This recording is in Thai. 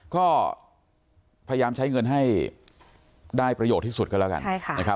ก็พยายามใช้เงินให้ได้ประโยชน์ที่สุดก็แล้วกัน